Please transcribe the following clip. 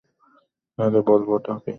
আরে, বলবোটা কী?